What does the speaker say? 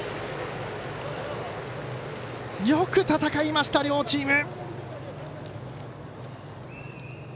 よく戦いました、両チーム。